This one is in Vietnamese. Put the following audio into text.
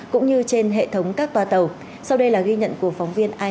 cũng như trên hệ thống các toa tàu sau đây là ghi nhận của phóng viên an